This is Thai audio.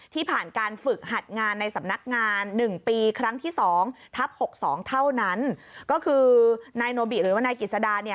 ทับ๖๒เท่านั้นก็คือนายโนบิหรือว่านายกิจสดาเนี่ย